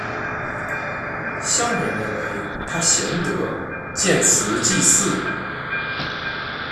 乡人认为他贤德建祠祭祀。